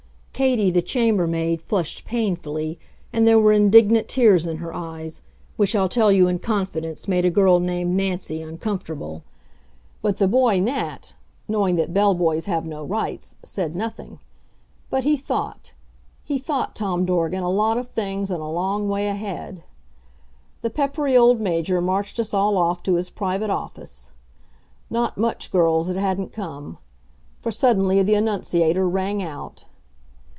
Katie, the chambermaid, flushed painfully, and there were indignant tears in her eyes, which, I'll tell you in confidence, made a girl named Nancy uncomfortable. But the boy Nat; knowing that bell boys have no rights, said nothing. But he thought. He thought, Tom Dorgan, a lot of things and a long way ahead. The peppery old Major marched us all off to his private office. Not much, girls, it hadn't come. For suddenly the annunciator rang out.